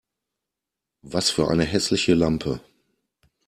Was für eine hässliche Lampe!